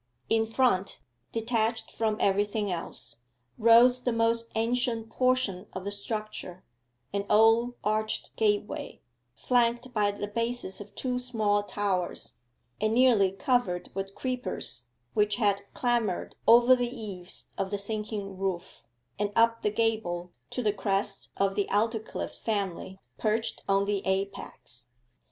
In front, detached from everything else, rose the most ancient portion of the structure an old arched gateway, flanked by the bases of two small towers, and nearly covered with creepers, which had clambered over the eaves of the sinking roof, and up the gable to the crest of the Aldclyffe family perched on the apex.